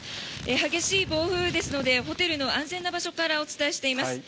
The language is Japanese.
激しい暴風雨ですのでホテルの安全な場所からお伝えしています。